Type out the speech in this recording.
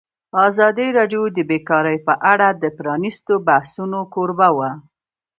ازادي راډیو د بیکاري په اړه د پرانیستو بحثونو کوربه وه.